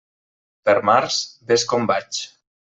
Per març, vés com vaig.